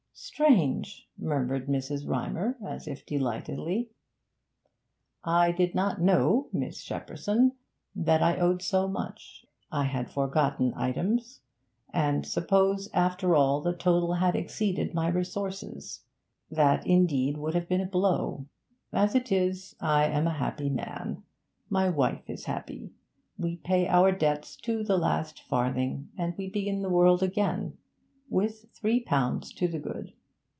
'Strange!' murmured Mrs. Rymer, as if delightedly. 'I did not know, Miss Shepperson, that I owed so much. I had forgotten items. And suppose, after all, the total had exceeded my resources! That indeed would have been a blow. As it is, I am a happy man; my wife is happy. We pay our debts to the last farthing, and we begin the world again with three pounds to the good.